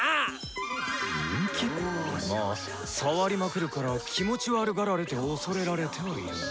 まあ触りまくるから気持ち悪がられて恐れられてはいるが。